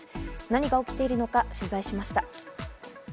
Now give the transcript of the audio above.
何が起きているのか取材しました。